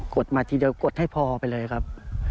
ดมาทีเดียวกดให้พอไปเลยครับ